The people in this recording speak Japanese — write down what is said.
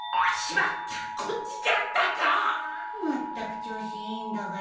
まったく調子いいんだから。